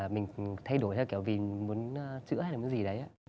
mình thay đổi theo kiểu vì muốn chữa hay là muốn gì đấy ạ